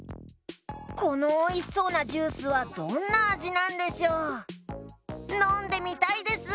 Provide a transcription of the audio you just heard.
このおいしそうなジュースはどんなあじなんでしょう？のんでみたいです！